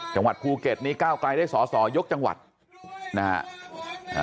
จังหวัดภูเก็ตนี้ก้าวไกลได้สอสอยกจังหวัดนะฮะ